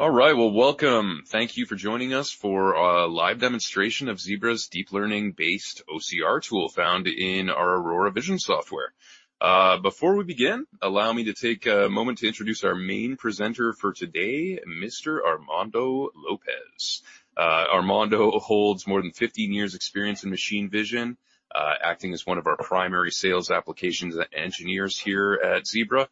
All right, well, welcome. Thank you for joining us for a live demonstration of Zebra deep learning-based OCR tool found in our Aurora Vision software. Before we begin, allow me to take a moment to introduce our main presenter for today, Mr. Armando Lopez. Armando holds more than 15 years experience in machine vision, acting as one of our Primary Sales Applications and Engineers here at Zebra.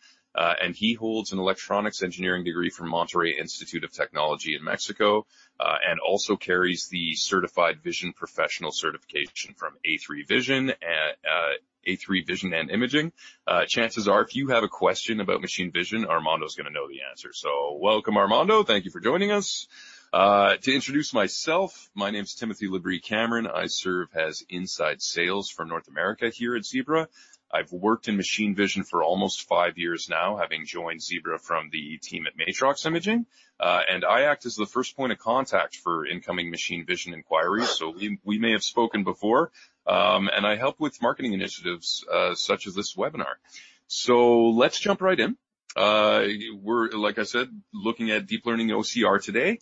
He holds an electronics engineering degree from Monterrey Institute of Technology in Mexico and also carries the Certified Vision Professional certification from A3 Vision and Imaging. Chances are, if you have a question about machine vision, Armando is going to know the answer. Welcome, Armando. Thank you for joining us. To introduce myself, my name is Timothy Labrie-Cameron. I serve as Inside Sales for North America here at Zebra. I've worked in machine vision for almost five years now, having joined Zebra from the team at Matrox Imaging. I act as the first point of contact for incoming machine vision inquiries. We may have spoken before. I help with marketing initiatives, such as this webinar. Let's jump right in. We're, like I said, looking at Deep Learning OCR today.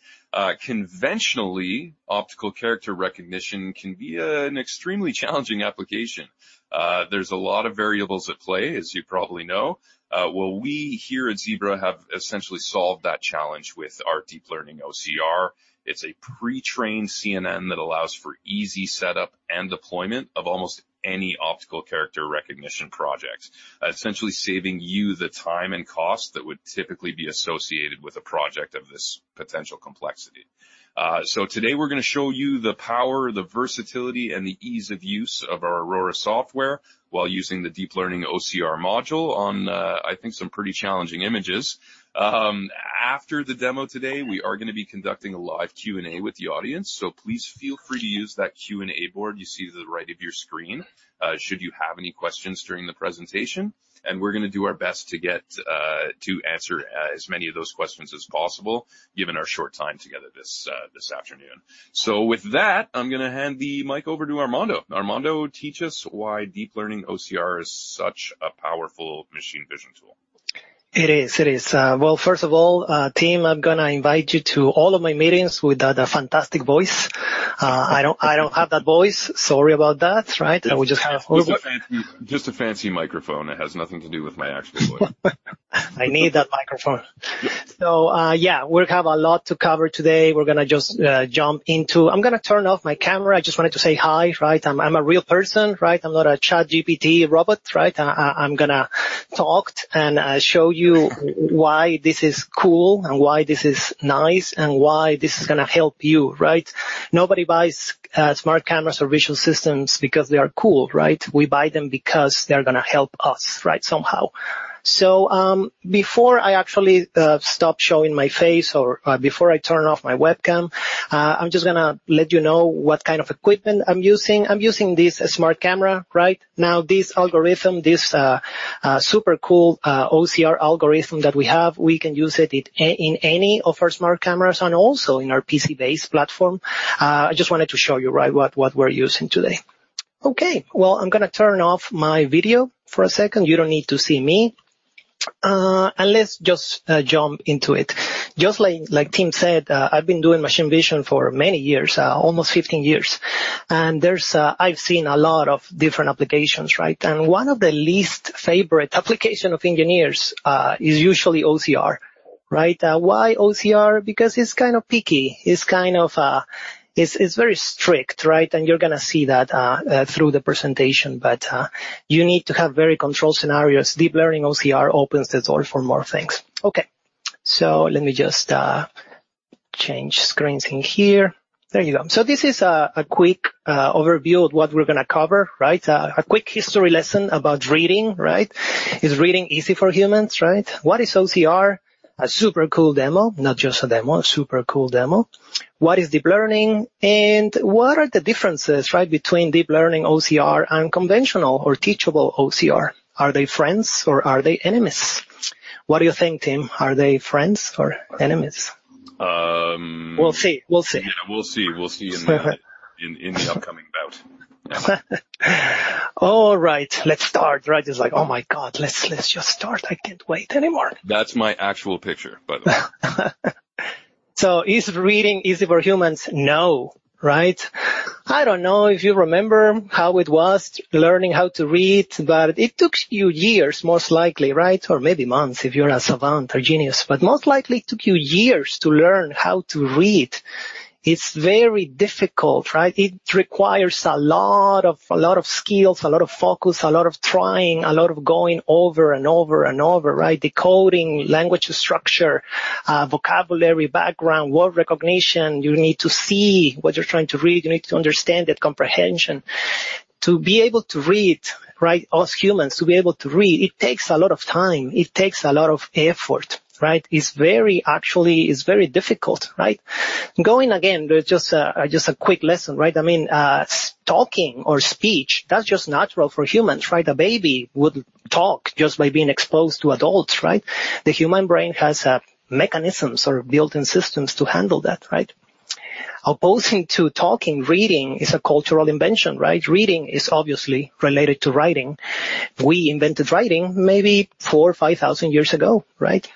Conventionally, optical character recognition can be an extremely challenging application. There's a lot of variables at play, as you probably know. Well, we here at Zebra have essentially solved that challenge with our Deep Learning OCR. It's a pre-trained CNN that allows for easy setup and deployment of almost any optical character recognition project, essentially saving you the time and cost that would typically be associated with a project of this potential complexity. Today we're going to show you the power, the versatility, and the ease of use of our Aurora software while using the Deep Learning OCR module on, I think some pretty challenging images. After the demo today, we are going to be conducting a live Q&A with the audience, so please feel free to use that Q&A board you see to the right of your screen, should you have any questions during the presentation, and we're going to do our best to get to answer as many of those questions as possible, given our short time together this afternoon. With that, I'm going to hand the mic over to Armando. Armando, teach us why Deep Learning OCR is such a powerful machine vision tool. It is. It is. Well, first of all, Tim, I'm going to invite you to all of my meetings with that fantastic voice. I don't have that voice. Sorry about that, right? Just a fancy microphone. It has nothing to do with my actual voice. I need that microphone. Yeah. Yeah, we have a lot to cover today. We're going to just jump into... I'm going to turn off my camera. I just wanted to say hi, right? I'm a real person, right? I'm not a ChatGPT robot, right? I'm going to talk and show you why this is cool and why this is nice and why this is going to help you, right? Nobody buys smart cameras or visual systems because they are cool, right? We buy them because they're going to help us, right, somehow. Before I actually stop showing my face, or before I turn off my webcam, I'm just going to let you know what kind of equipment I'm using. I'm using this smart camera right now. This algorithm, this super cool OCR algorithm that we have, we can use it in any of our smart cameras and also in our PC-based platform. I just wanted to show you, right, what we're using today. Okay, well, I'm going to turn off my video for a second. You don't need to see me. And let's just jump into it. Just like Tim said, I've been doing machine vision for many years, almost 15 years, and there's I've seen a lot of different applications, right? One of the least favorite application of engineers is usually OCR, right? Why OCR? Because it's kind of picky. It's kind of, it's very strict, right? You're going to see that through the presentation, but you need to have very controlled scenarios. Deep Learning OCR opens the door for more things. Okay, let me just change screens in here. There you go. This is a quick overview of what we're going to cover, right? A quick history lesson about reading, right? Is reading easy for humans, right? What is OCR? A super cool demo. Not just a demo, a super cool demo. What is deep learning, and what are the differences, right, between Deep Learning OCR and conventional or teachable OCR? Are they friends or are they enemies? What do you think, Tim? Are they friends or enemies? Um... We'll see. Yeah, we'll see. We'll see in the upcoming bout. Yeah. All right, let's start. Right? It's like, oh, my God, let's just start. I can't wait anymore. That's my actual picture, by the way. Is reading easy for humans? No. Right? I don't know if you remember how it was learning how to read, but it took you years, most likely, right? Or maybe months, if you're a savant or genius, but most likely it took you years to learn how to read. It's very difficult, right? It requires a lot of skills, a lot of focus, a lot of trying, a lot of going over and over and over, right? Decoding, language structure, vocabulary, background, word recognition. You need to see what you're trying to read. You need to understand that comprehension. To be able to read, right, us humans, to be able to read, it takes a lot of time. It takes a lot of effort, right? Actually, it's very difficult, right? Going again, just a quick lesson, right? I mean, talking or speech, that's just natural for humans, right? A baby would talk just by being exposed to adults, right? The human brain has mechanisms or built-in systems to handle that, right? Opposing to talking, reading is a cultural invention, right? Reading is obviously related to writing. We invented writing maybe 4000 or 5000 years ago, right?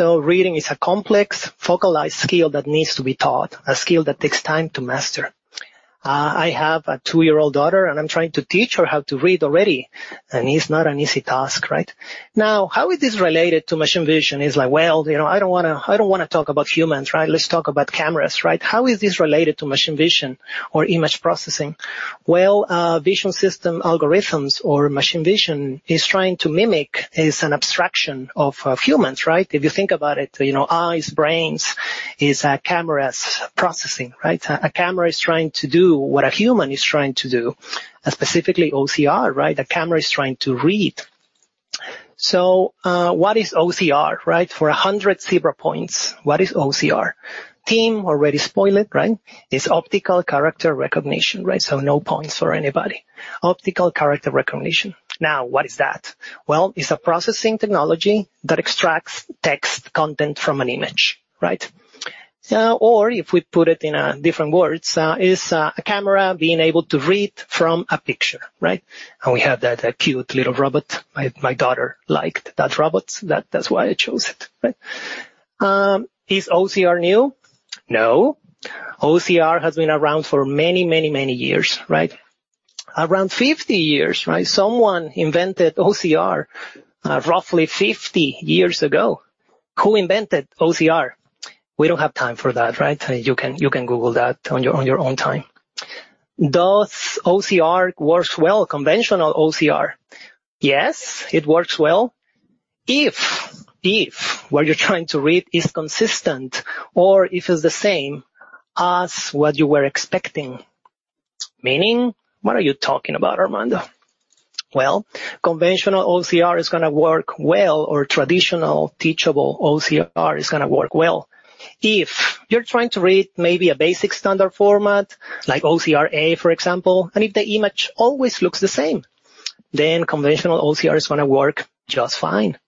Reading is a complex, focalized skill that needs to be taught, a skill that takes time to master. I have a two-year-old daughter, and I'm trying to teach her how to read already, and it's not an easy task, right? How is this related to machine vision? It's like, well, you know, I don't wanna talk about humans, right? Let's talk about cameras, right? How is this related to machine vision or image processing? Vision system algorithms or machine vision is trying to mimic, is an abstraction of humans, right? If you think about it, you know, eyes, brains, is cameras processing, right? A camera is trying to do what a human is trying to do, and specifically OCR, right? A camera is trying to read. What is OCR, right? For 100 Zebra points, what is OCR? Tim already spoiled it, right? It's optical character recognition, right, no points for anybody. Optical character recognition. What is that? It's a processing technology that extracts text content from an image, right? If we put it in different words, it's a camera being able to read from a picture, right? We have that cute little robot. My daughter liked that robot. That's why I chose it, right? Is OCR new? No. OCR has been around for many years, right? Around 50 years, right? Someone invented OCR, roughly 50 years ago. Who invented OCR? We don't have time for that, right? You can google that on your own time. Does OCR works well, conventional OCR? Yes, it works well if what you're trying to read is consistent or if it's the same as what you were expecting. Meaning, what are you talking about, Armando? conventional OCR is gonna work well, or traditional teachable OCR is gonna work well if you're trying to read maybe a basic standard format, like OCR-A, for example, and if the image always looks the same, then conventional OCR is gonna work just fine.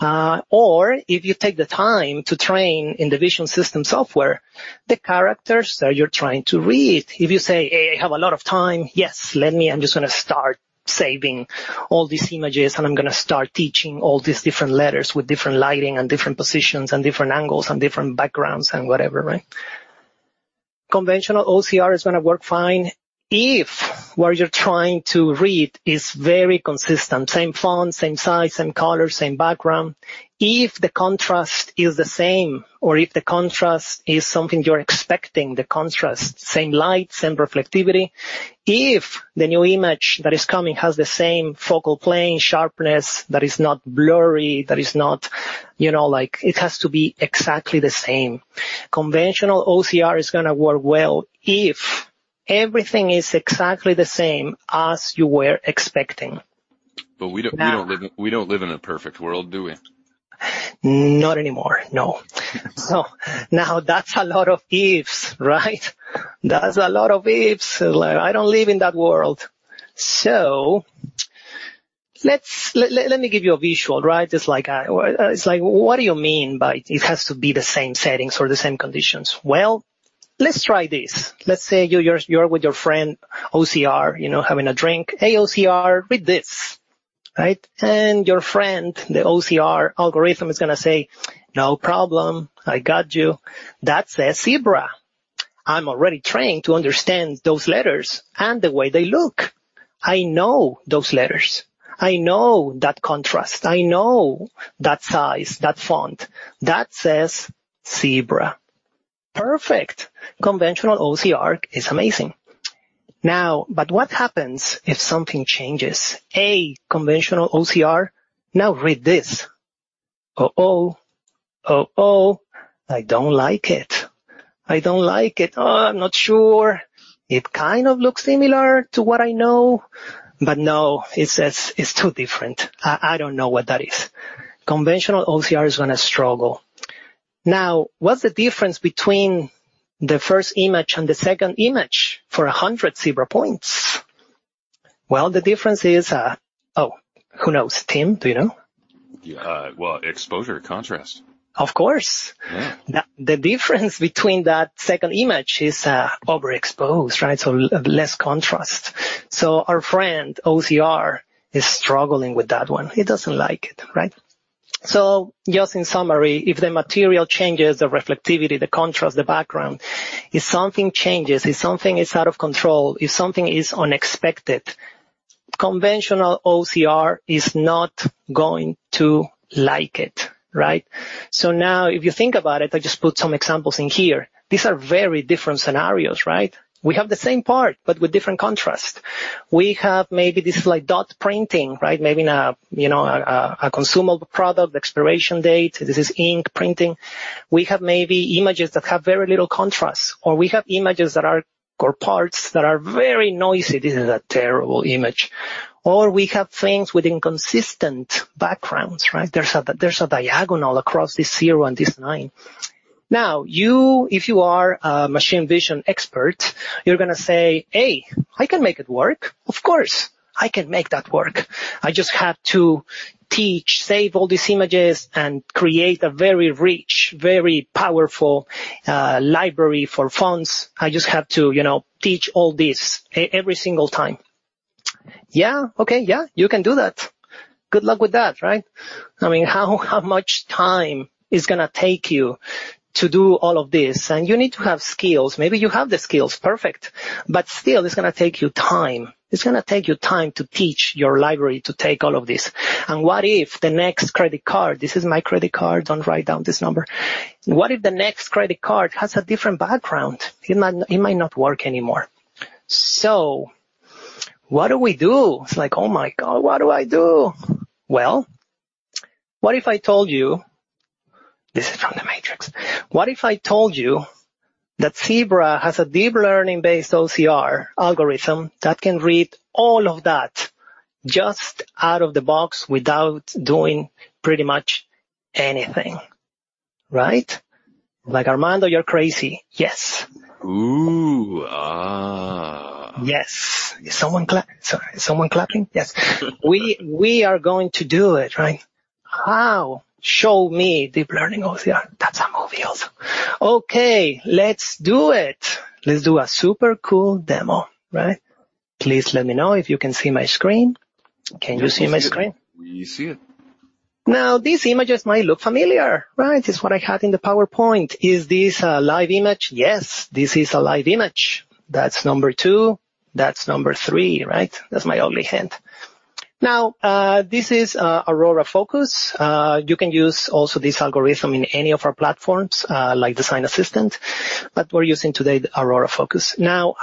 If you take the time to train in the vision system software, the characters that you're trying to read. If you say, "Hey, I have a lot of time, yes, I'm just gonna start saving all these images, and I'm gonna start teaching all these different letters with different lighting and different positions and different angles and different backgrounds and whatever," right? Conventional OCR is gonna work fine if what you're trying to read is very consistent: same font, same size, same color, same background. If the contrast is the same or if the contrast is something you're expecting, the contrast, same light, same reflectivity. If the new image that is coming has the same focal plane, sharpness, that is not blurry, that is not, you know, like, it has to be exactly the same. Conventional OCR is gonna work well if everything is exactly the same as you were expecting. But we don't- Uh- We don't live in a perfect world, do we? Not anymore, no. Now, that's a lot of ifs, right? That's a lot of ifs. Like, I don't live in that world. Let me give you a visual, right? It's like, it's like, what do you mean by it has to be the same settings or the same conditions? Well, let's try this. Let's say you're with your friend, OCR, you know, having a drink. "Hey, OCR, read this," right? Your friend, the OCR algorithm, is gonna say, "No problem. I got you. That says Zebra. I'm already trained to understand those letters and the way they look. I know those letters. I know that contrast. I know that size, that font. That says Zebra." Perfect! Conventional OCR is amazing. What happens if something changes? "Hey, conventional OCR, now read this." "Uh-oh, I don't like it. I don't like it. Oh, I'm not sure. It kind of looks similar to what I know, but, no, it's just, it's too different. I don't know what that is." Conventional OCR is gonna struggle. What's the difference between the first image and the second image, for 100 Zebra points? The difference is... Oh, who knows? Tim, do you know? Yeah. Well, exposure, contrast. Of course. Yeah. The difference between that second image is overexposed, right? Less contrast. Our friend, OCR, is struggling with that one. He doesn't like it, right? Just in summary, if the material changes, the reflectivity, the contrast, the background, if something changes, if something is out of control, if something is unexpected, conventional OCR is not going to like it, right? Now, if you think about it, I just put some examples in here. These are very different scenarios, right? We have the same part but with different contrast. We have maybe this is, like, dot printing, right? Maybe, now, you know, a consumable product, expiration date. This is ink printing. We have maybe images that have very little contrast, or we have parts that are very noisy. This is a terrible image. We have things with inconsistent backgrounds, right? There's a diagonal across this zero and this nine. You, if you are a machine vision expert, you're gonna say, "Hey, I can make it work." Of course, I can make that work. I just have to teach, save all these images and create a very rich, very powerful library for fonts. I just have to, you know, teach all this every single time. Yeah, okay, yeah, you can do that. Good luck with that, right? I mean, how much time is gonna take you to do all of this? You need to have skills. Maybe you have the skills, perfect, but still, it's gonna take you time. It's gonna take you time to teach your library to take all of this. What if the next credit card? This is my credit card. Don't write down this number. What if the next credit card has a different background? It might, it might not work anymore. What do we do? It's like, Oh, my God, what do I do? Well, what if I told you, this is from The Matrix. What if I told you that Zebra has a deep learning-based OCR algorithm that can read all of that just out of the box without doing pretty much anything, right? Like, Armando, you're crazy. Yes. Ooh, ah. Yes. Sorry, is someone clapping? Yes. We are going to do it, right. How? Show me Deep Learning OCR. That's a movie also. Okay, let's do it. Let's do a super cool demo, right? Please let me know if you can see my screen. Can you see my screen? We see it. Now, these images might look familiar, right? It's what I had in the PowerPoint. Is this a live image? Yes, this is a live image. That's number two, that's number three, right? That's my only hint. Now, this is Aurora Focus. You can use also this algorithm in any of our platforms, like Design Assistant, but we're using today the Aurora Focus. Now,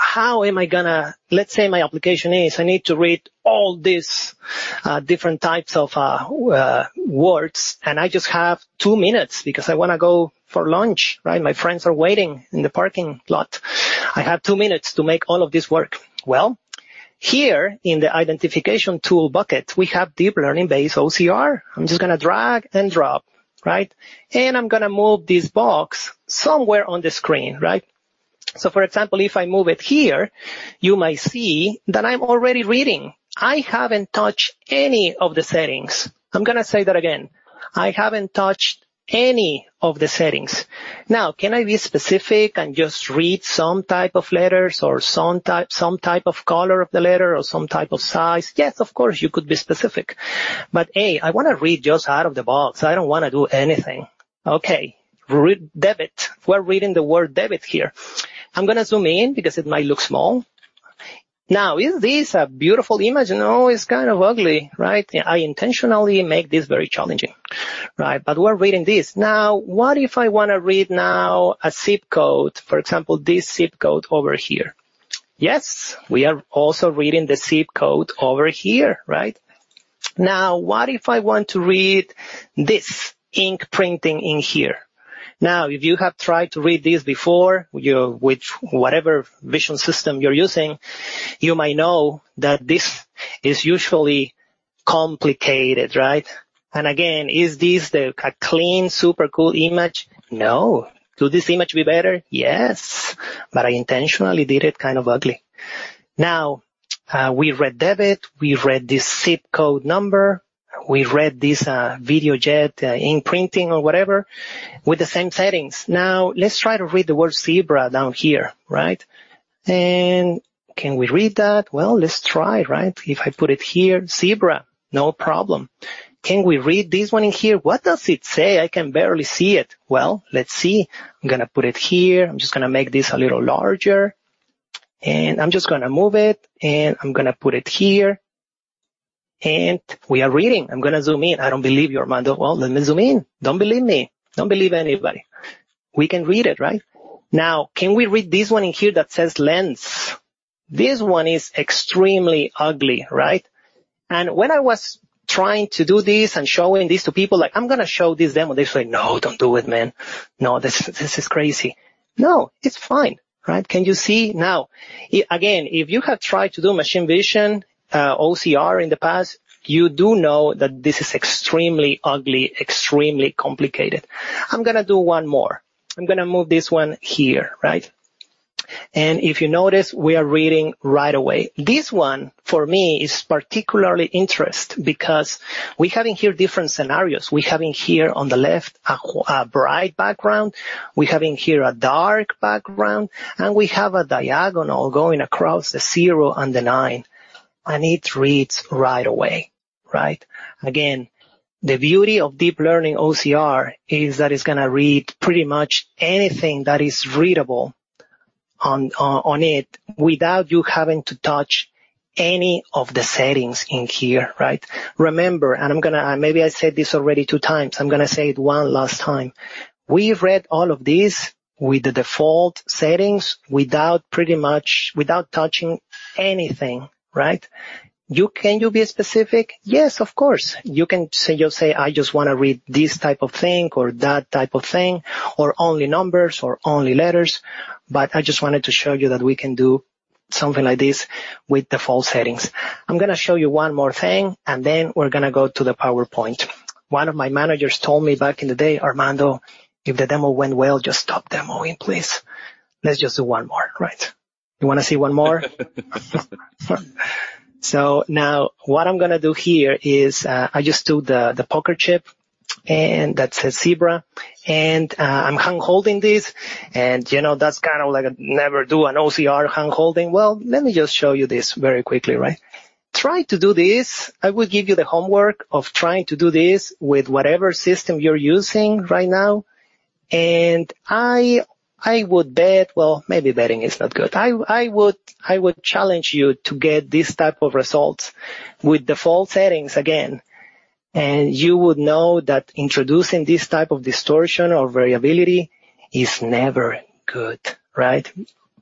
let's say my application is I need to read all these different types of words, and I just have two minutes because I want to go for lunch, right? My friends are waiting in the parking lot. I have two minutes to make all of this work. Well, here in the identification tool bucket, we have deep learning-based OCR. I'm just gonna drag and drop, right? I'm gonna move this box somewhere on the screen, right? For example, if I move it here, you might see that I'm already reading. I haven't touched any of the settings. I'm gonna say that again. I haven't touched any of the settings. Can I be specific and just read some type of letters or some type of color of the letter or some type of size? Yes, of course, you could be specific, but, A, I want to read just out of the box. I don't want to do anything. Okay, read debit. We're reading the word debit here. I'm gonna zoom in because it might look small. Is this a beautiful image? No, it's kind of ugly, right? I intentionally make this very challenging, right? We're reading this. Now, what if I want to read now a zip code, for example, this zip code over here? Yes, we are also reading the zip code over here, right? Now, what if I want to read this ink printing in here? Now, if you have tried to read this before, you, with whatever vision system you're using, you might know that this is usually complicated, right? Again, is this a clean, super cool image? No. Could this image be better? Yes, I intentionally did it kind of ugly. Now, we read debit, we read this zip code number, we read this Videojet ink printing or whatever with the same settings. Now, let's try to read the word Zebra down here, right? Can we read that? Well, let's try, right? If I put it here, Zebra, no problem. Can we read this one in here? What does it say? I can barely see it. Well, let's see. I'm gonna put it here. I'm just gonna make this a little larger, and I'm just gonna move it, and I'm gonna put it here. We are reading. I'm gonna zoom in. I don't believe you, Armando. Well, let me zoom in. Don't believe me. Don't believe anybody. We can read it, right? Can we read this one in here that says lens? This one is extremely ugly, right? When I was trying to do this and showing this to people, like, "I'm gonna show this demo," they say, "No, don't do it, man. No, this is crazy." It's fine, right? Can you see now? Again, if you have tried to do machine vision, OCR in the past, you do know that this is extremely ugly, extremely complicated. I'm gonna do one more. I'm gonna move this one here, right? If you notice, we are reading right away. This one, for me, is particularly interest because we having here different scenarios. We having here on the left, a bright background, we having here a dark background, and we have a diagonal going across the zero and the nine, and it reads right away, right? Again, the beauty of Deep Learning OCR is that it's gonna read pretty much anything that is readable on it without you having to touch any of the settings in here, right? Remember, I'm gonna. Maybe I said this already 2x. I'm gonna say it one last time. We've read all of these with the default settings, without pretty much, without touching anything, right? Can you be specific? Yes, of course. You can say, just say, "I just want to read this type of thing or that type of thing, or only numbers or only letters," but I just wanted to show you that we can do something like this with default settings. I'm gonna show you one more thing, then we're gonna go to the PowerPoint. One of my managers told me back in the day, "Armando, if the demo went well, just stop demoing, please." Let's just do one more, right? You want to see one more? Now, what I'm gonna do here is, I just took the poker chip. That says Zebra, and I'm handholding this, and, you know, that's kind of like a never do an OCR handholding. Let me just show you this very quickly, right? Try to do this. I will give you the homework of trying to do this with whatever system you're using right now. I would bet, well, maybe betting is not good. I would challenge you to get this type of results with default settings again. You would know that introducing this type of distortion or variability is never good, right?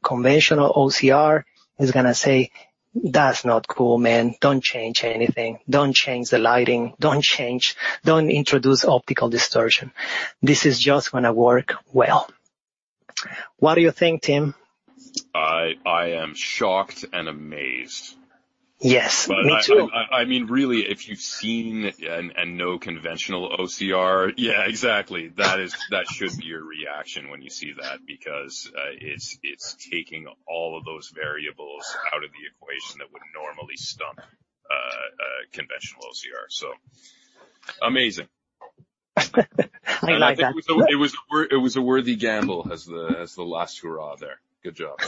Conventional OCR is gonna say, "That's not cool, man. Don't change anything. Don't change the lighting. Don't change. Don't introduce optical distortion." This is just gonna work well. What do you think, Tim? I am shocked and amazed. Yes, me too. I mean, really, if you've seen and know conventional OCR, yeah, exactly. That should be your reaction when you see that because it's taking all of those variables out of the equation that would normally stump conventional OCR, so amazing. I like that. I think it was a worthy gamble as the last hurrah there. Good job.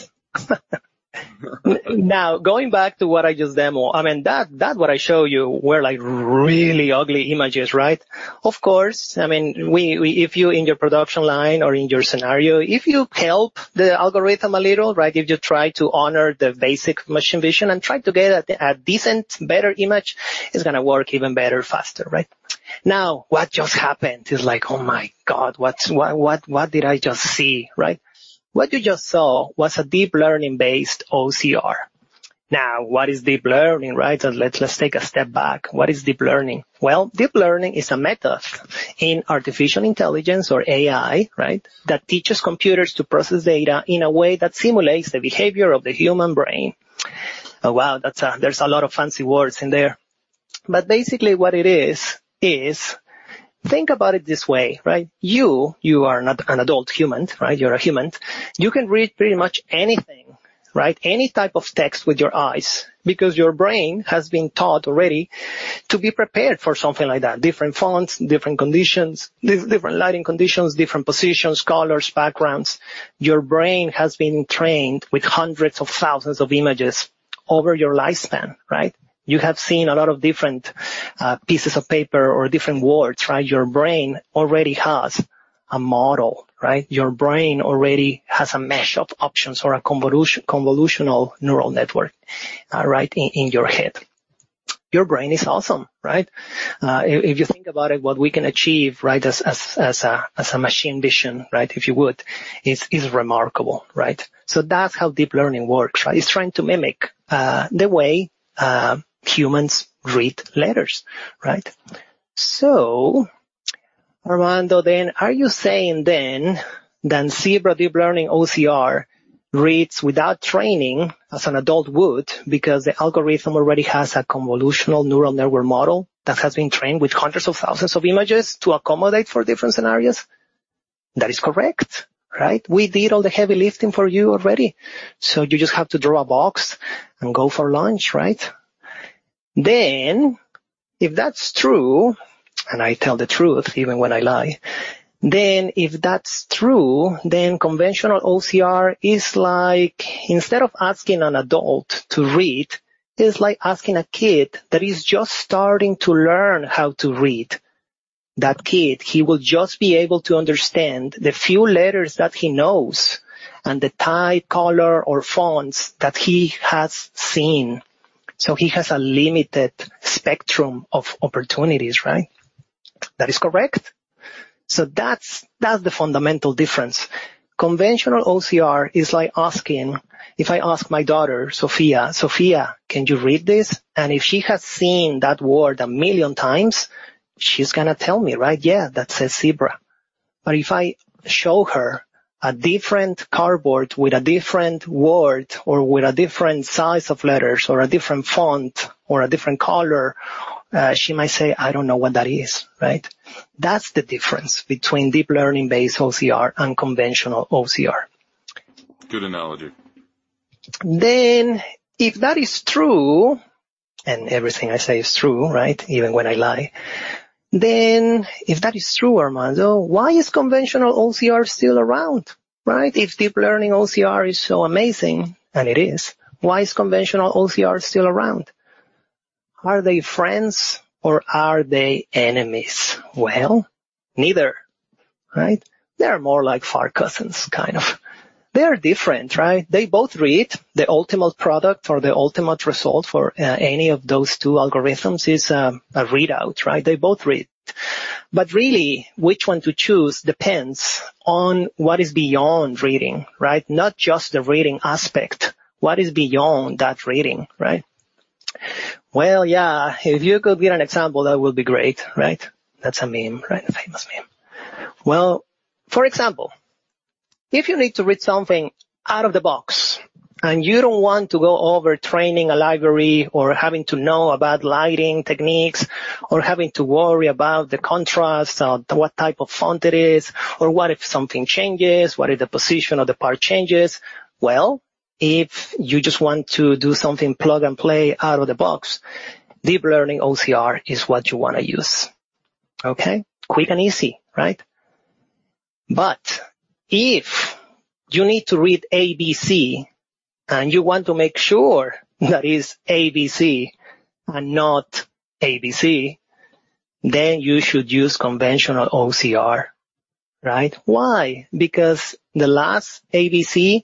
Going back to what I just demo, I mean, that what I show you were, like, really ugly images, right? Of course, I mean, we if you, in your production line or in your scenario, if you help the algorithm a little, right, if you try to honor the basic machine vision and try to get a decent, better image, it's gonna work even better, faster, right? What just happened? It's like, "Oh, my God, what's, what did I just see?" Right? What you just saw was a deep learning-based OCR. What is deep learning, right? Let's, let's take a step back. What is deep learning? Well, deep learning is a method in artificial intelligence, or AI, right, that teaches computers to process data in a way that simulates the behavior of the human brain. Oh, wow, that's a... There's a lot of fancy words in there. Basically what it is think about it this way, right? You are an adult human, right? You're a human. You can read pretty much anything, right, any type of text with your eyes because your brain has been taught already to be prepared for something like that, different fonts, different conditions, different lighting conditions, different positions, colors, backgrounds. Your brain has been trained with hundreds of thousands of images over your lifespan, right? You have seen a lot of different pieces of paper or different words, right? Your brain already has a model, right? Your brain already has a mesh of options or a convolutional neural network, right, in your head. Your brain is awesome, right? If, if you think about it, what we can achieve, right, as a machine vision, right, if you would, is remarkable, right? That's how deep learning works, right? It's trying to mimic the way humans read letters, right? Armando, then, are you saying then that Zebra Deep Learning OCR reads without training, as an adult would, because the algorithm already has a convolutional neural network model that has been trained with hundreds of thousands of images to accommodate for different scenarios? That is correct, right? We did all the heavy lifting for you already, so you just have to draw a box and go for lunch, right? If that's true, and I tell the truth even when I lie, if that's true, conventional OCR is like instead of asking an adult to read, it's like asking a kid that is just starting to learn how to read. That kid, he will just be able to understand the few letters that he knows and the type, color, or fonts that he has seen, so he has a limited spectrum of opportunities, right? That is correct. That's, that's the fundamental difference. Conventional OCR is like asking... If I ask my daughter, Sophia: "Sophia, can you read this?" If she has seen that word 1 million times, she's gonna tell me, right? Yeah, that says Zebra." If I show her a different cardboard with a different word or with a different size of letters or a different font or a different color, she might say, "I don't know what that is," right? That's the difference between deep learning-based OCR and conventional OCR. Good analogy. If that is true, and everything I say is true, right, even when I lie, if that is true, Armando, why is conventional OCR still around, right? If Deep Learning OCR is so amazing, and it is, why is conventional OCR still around? Are they friends or are they enemies? Well, neither, right? They are more like far cousins, kind of. They are different, right? They both read. The ultimate product or the ultimate result for any of those two algorithms is a readout, right? They both read. Really, which one to choose depends on what is beyond reading, right? Not just the reading aspect. What is beyond that reading, right? Well, yeah, if you could give an example, that would be great, right? That's a meme, right? A famous meme. Well, for example, if you need to read something out of the box, and you don't want to go over training a library or having to know about lighting techniques or having to worry about the contrast or what type of font it is, or what if something changes, what if the position of the part changes, If you just want to do something plug and play out of the box, Deep Learning OCR is what you want to use, okay? Quick and easy, right? If you need to read ABC, and you want to make sure that is ABC and not ABC, then you should use conventional OCR, right? Why? The last ABC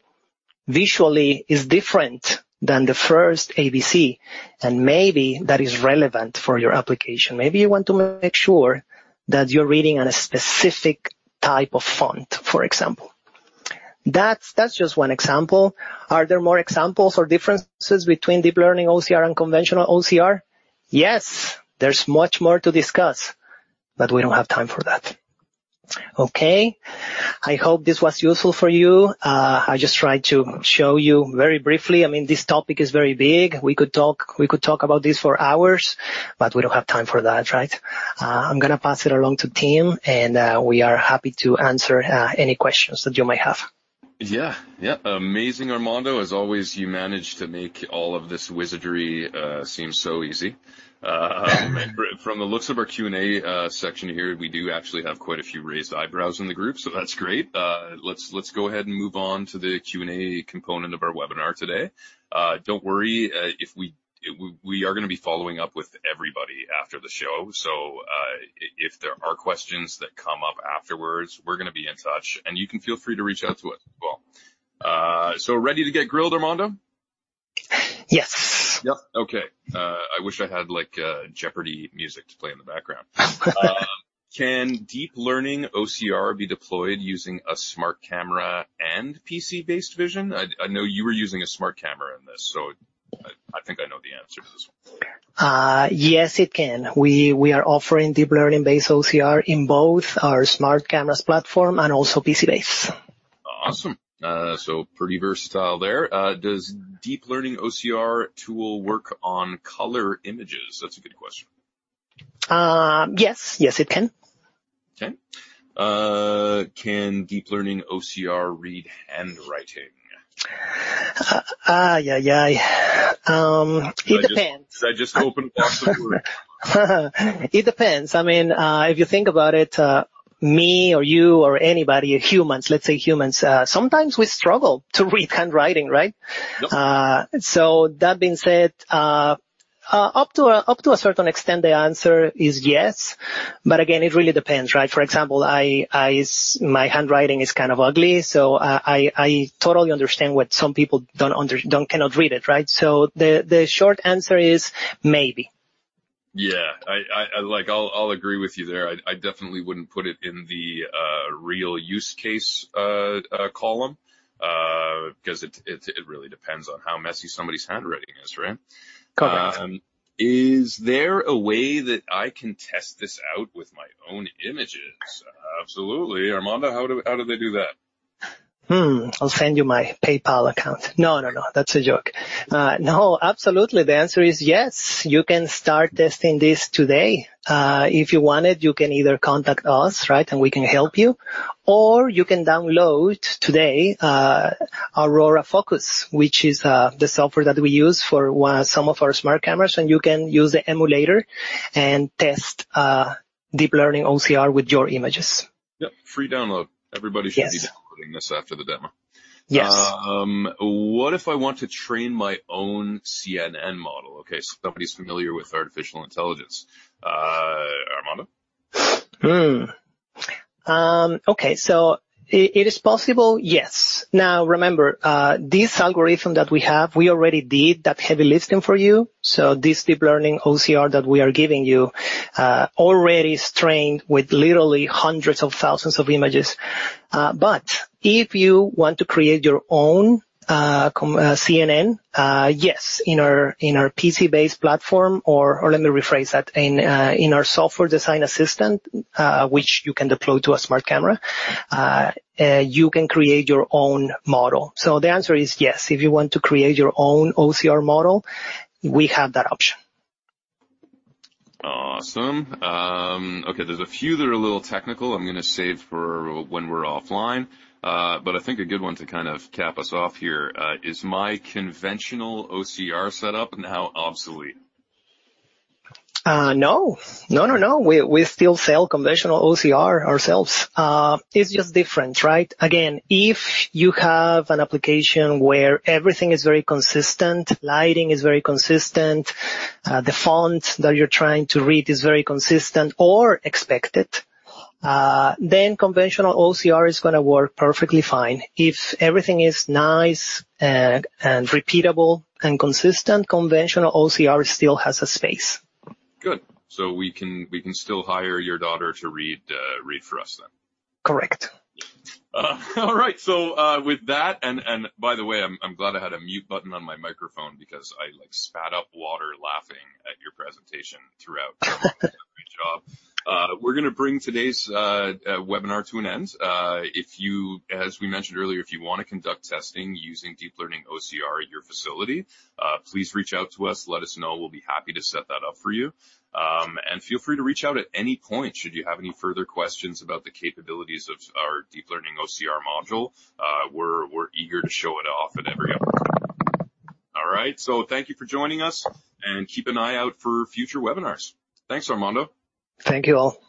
visually is different than the first ABC, and maybe that is relevant for your application. Maybe you want to make sure that you're reading on a specific type of font, for example. That's just one example. Are there more examples or differences between Deep Learning OCR and conventional OCR? Yes, there's much more to discuss, but we don't have time for that. Okay, I hope this was useful for you. I just tried to show you very briefly. I mean, this topic is very big. We could talk about this for hours, but we don't have time for that, right? I'm gonna pass it along to Tim, and we are happy to answer any questions that you may have. Yeah. Yeah. Amazing, Armando, as always, you manage to make all of this wizardry, seem so easy. From the looks of our Q&A section here, we do actually have quite a few raised eyebrows in the group, so that's great. Let's go ahead and move on to the Q&A component of our webinar today. Don't worry, we are gonna be following up with everybody after the show. If there are questions that come up afterwards, we're gonna be in touch, and you can feel free to reach out to us as well. Ready to get grilled, Armando? Yes. Yep. Okay. I wish I had, like, Jeopardy music to play in the background. Can Deep Learning OCR be deployed using a smart camera and PC-based vision? I know you were using a smart camera in this, so I think I know the answer to this one. Yes, it can. We are offering deep learning-based OCR in both our smart cameras platform and also PC-based. Awesome. Pretty versatile there. Does Deep Learning OCR tool work on color images? That's a good question. Yes. Yes, it can. Okay. Can deep learning OCR read handwriting? Ay, yi. It depends. Did I just open a can of worms? It depends. I mean, if you think about it, me or you or anybody, humans, let's say humans, sometimes we struggle to read handwriting, right? Yep. That being said, up to a certain extent, the answer is yes. Again, it really depends, right? For example, I My handwriting is kind of ugly, so I totally understand what some people cannot read it, right? The short answer is maybe. Yeah. I like I'll agree with you there. I definitely wouldn't put it in the real use case column because it really depends on how messy somebody's handwriting is, right? Correct. Is there a way that I can test this out with my own images? Absolutely. Armando, how do they do that? I'll send you my PayPal account. No, no, that's a joke. No, absolutely, the answer is yes. You can start testing this today. If you wanted, you can either contact us, right, and we can help you, or you can download today, Aurora Focus, which is the software that we use for some of our smart cameras, and you can use the emulator and test deep learning OCR with your images. Yep, free download. Yes. Everybody should be downloading this after the demo. Yes. What if I want to train my own CNN model? Okay, somebody's familiar with artificial intelligence. Armando? Okay, it is possible, yes. Now, remember, this algorithm that we have, we already did that heavy lifting for you. This Deep Learning OCR that we are giving you, already is trained with literally hundreds of thousands of images. But if you want to create your own CNN, yes, in our PC-based platform, or let me rephrase that, in our software design assistant, which you can deploy to a smart camera, you can create your own model. The answer is yes. If you want to create your own OCR model, we have that option. Awesome. Okay, there's a few that are a little technical I'm gonna save for when we're offline, I think a good one to kind of cap us off here: "Is my conventional OCR setup now obsolete? No. No, no. We still sell conventional OCR ourselves. It's just different, right? Again, if you have an application where everything is very consistent, lighting is very consistent, the font that you're trying to read is very consistent or expected, then conventional OCR is gonna work perfectly fine. If everything is nice, and repeatable and consistent, conventional OCR still has a space. Good. We can still hire your daughter to read for us, then? Correct. Yeah. All right. With that, and by the way, I'm glad I had a mute button on my microphone because I, like, spat up water laughing at your presentation throughout. Great job. We're gonna bring today's webinar to an end. If you, as we mentioned earlier, if you want to conduct testing using Deep Learning OCR at your facility, please reach out to us, let us know. We'll be happy to set that up for you. Feel free to reach out at any point should you have any further questions about the capabilities of our Deep Learning OCR module. We're eager to show it off at every opportunity. All right, thank you for joining us, and keep an eye out for future webinars. Thanks, Armando. Thank you all.